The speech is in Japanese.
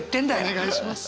お願いします。